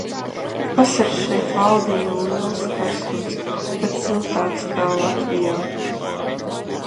Vasarās šeit valdīja liels karstums, pat siltāks kā Latvijā.